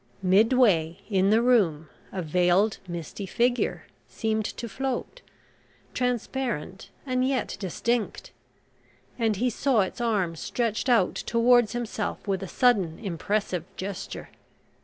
Midway in the room a veiled misty figure seemed to float transparent and yet distinct and he saw its arm stretched out towards himself with a sudden impressive gesture.